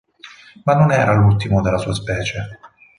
Ma non era l'ultimo della sua specie.